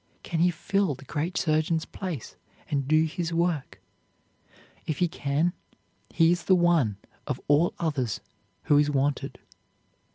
Can he fill the great surgeon's place, and do his work? If he can, he is the one of all others who is wanted.